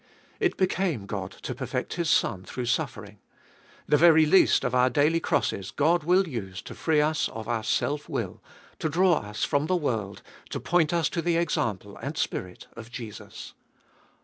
It became God to perfect His Son through suffering ; the very least of our daily crosses God will use to free us of our self will, to draw us from the world, to point us to the example and spirit of Jesus.